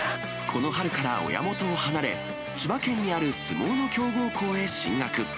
この春から親元を離れ、千葉県にある相撲の強豪校へ進学。